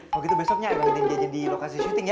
yaudah yaudah besoknya emak gantiin dia di lokasi syuting ya